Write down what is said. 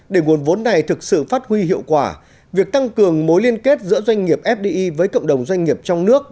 để nguồn vốn này thực sự phát huy hiệu quả việc tăng cường mối liên kết giữa doanh nghiệp fdi với cộng đồng doanh nghiệp trong nước